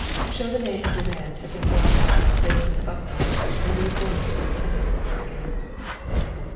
Chauvenet and Durand had been brought out and placed in the buckboard, and these orders were intended for their ears.